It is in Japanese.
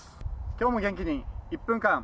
今日も元気に「１分間！